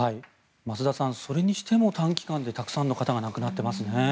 増田さん、それにしても短期間でたくさんの方が亡くなってますね。